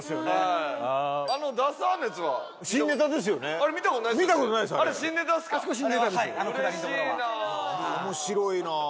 面白いな。